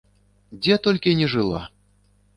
Дзе толькі не жыла!